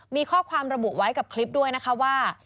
มีข้อความระบุไว้กับคลิปด้วยนะคะว่า